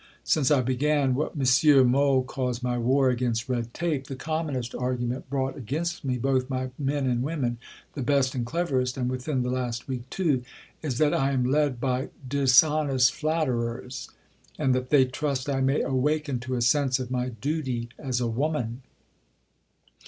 Since I began what M. Mohl calls my War against Red Tape, the commonest argument brought against me both by men and women, the best and cleverest, and within the last week too, is that I am led by "dishonest flatterers" and that they trust I may "awaken to a sense of my duty as a woman."